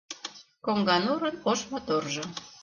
Коҥганурын ош моторжо